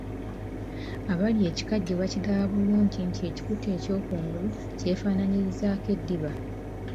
Abalya ekikajjo bakiraba bulungi nti ekikuta eky'okungulu kyefaanaanyirizaako eddiba.